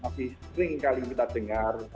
masih sering kali kita dengar